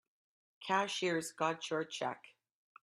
Cashier's got your check.